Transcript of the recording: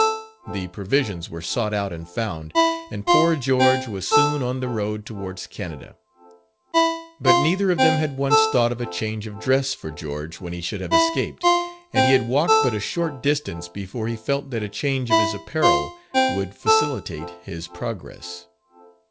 The provisions were sought out and found, and poor George was soon on the road towards Canada. But neither of them had once thought of a change of dress for George when he should have escaped, and he had walked but a short distance before he felt that a change of his apparel would facilitate his progress.